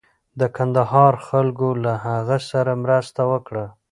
د کندهار خلکو له هغه سره مرسته وکړه.